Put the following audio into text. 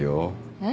えっ？